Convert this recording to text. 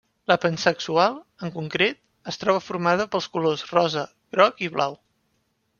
La pansexual, en concret, es troba formada pels colors rosa, groc, i blau.